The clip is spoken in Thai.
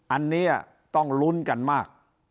อันนี้ต้องลุ้นกันมาก